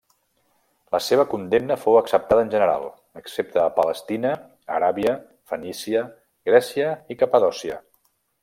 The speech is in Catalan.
La seva condemna fou acceptada en general, excepte a Palestina, Aràbia, Fenícia, Grècia i Capadòcia.